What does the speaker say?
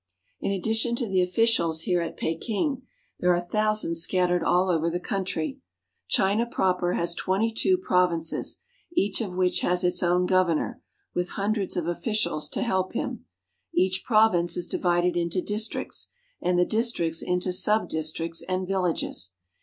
In addition to the officials here at Peking, there are thousands scattered all over the country. China proper has twenty two provinces, each of which has its own governor, with hundreds of officials to help him. Each province is divided into districts, and the districts into subdistricts and villages.